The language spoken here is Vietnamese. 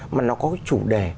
mà nó có cái chủ đề